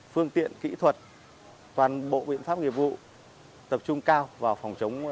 phương tiện kỹ thuật toàn bộ biện pháp nghiệp vụ tập trung cao vào phòng chống